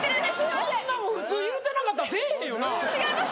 そんなもん普通言うてなかったら出えへんよな違います